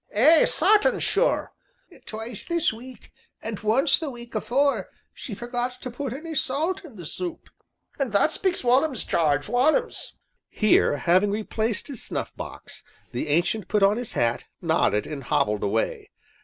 "Ay sartin sure twice this week, an' once the week afore she forgot to put any salt in the soup an' that speaks wollums, Jarge, wollums!" Here, having replaced his snuff box, the Ancient put on his hat, nodded, and bobbled away.